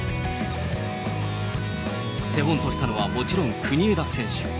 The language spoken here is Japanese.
手本としたのはもちろん国枝選手。